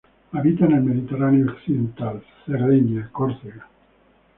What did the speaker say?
Habita en Mediterráneo occidental, Cerdeña, Córcega.